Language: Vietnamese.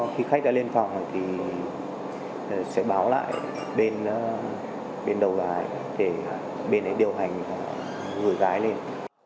khi khách đã lên phòng thì sẽ báo lại bên đầu gái để bên ấy điều hành gửi gái lên